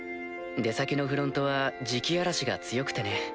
出先のフロントは磁気嵐が強くてね。